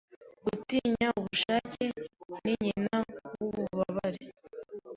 Gutinya ubushake, ni nyina wububabare